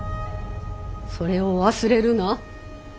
それを忘れるな。